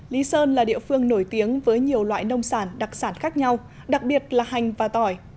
lý sơn là địa phương nổi tiếng với nhiều loại nông sản đặc sản khác nhau đặc biệt là hành và tỏi